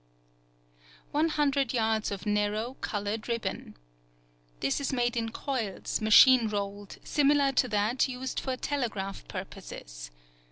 One hundred yards of narrow, colored ribbon.—This is made in coils, machine rolled, similar to that used for telegraph purposes.